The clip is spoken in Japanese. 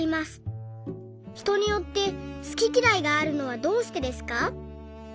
ひとによって好ききらいがあるのはどうしてですか？」。